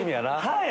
はい！